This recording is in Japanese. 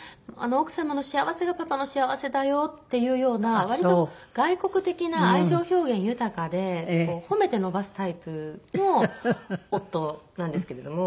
「奥様の幸せがパパの幸せだよ」っていうような割と外国的な愛情表現豊かで褒めて伸ばすタイプの夫なんですけれども。